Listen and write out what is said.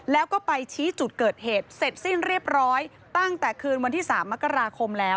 แล้วก็ไปชี้จุดเกิดเหตุเสร็จสิ้นเรียบร้อยตั้งแต่คืนวันที่๓มกราคมแล้ว